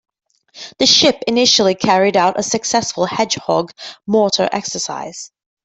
The ship initially carried out a successful Hedgehog mortar exercise.